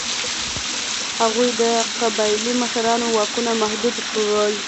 هغوی د قبایلي مشرانو واکونه محدود کړل.